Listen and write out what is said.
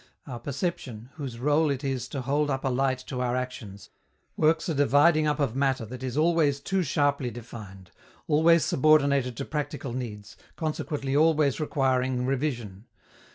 Our perception, whose rôle it is to hold up a light to our actions, works a dividing up of matter that is always too sharply defined, always subordinated to practical needs, consequently always requiring revision.